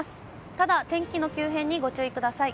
ただ、天気の急変にご注意ください。